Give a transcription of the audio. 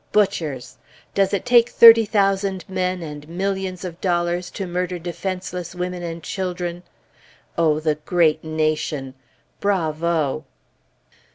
Butchers! Does it take thirty thousand men and millions of dollars to murder defenseless women and children? O the great nation! Bravo!